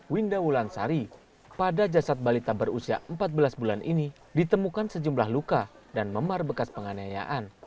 winda wulansari pada jasad balita berusia empat belas bulan ini ditemukan sejumlah luka dan memar bekas penganiayaan